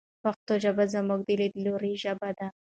پښتو ژبه زموږ د لیدلوري ژبه ده.